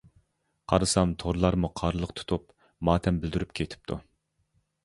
قارىسام تورلارمۇ «قارىلىق تۇتۇپ» ماتەم بىلدۈرۈپ كېتىپتۇ!